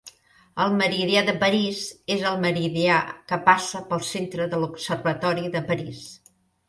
El meridià de París és el meridià que passa pel centre de l'Observatori de París.